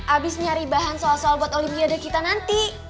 abis nyari bahan soal soal buat olimpiade kita nanti